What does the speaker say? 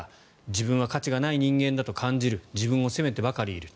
自分は価値がない人間だと感じる自分を責めてばかりいる。